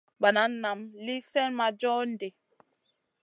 Banan naam lì slèh ma john ɗi.